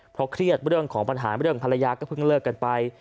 เพราะเครียดเรื่องของปัญหาเรื่องภรรยาก็เพิ่งเลิกกันไป